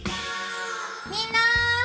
みんな！